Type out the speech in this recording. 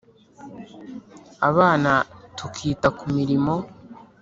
abana tukita ku mirimo